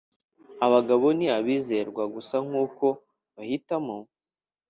abagabo ni abizerwa gusa nkuko bahitamo.